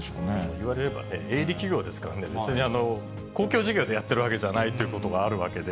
いわれれば営利企業ですからね、別に公共事業でやってるわけじゃないということがあるわけで。